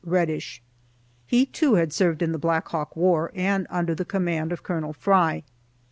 Reddish. He, too, had served in the Black Hawk War, and under the command of Col. Fry.